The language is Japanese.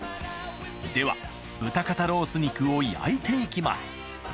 では豚肩ロース肉を焼いていきます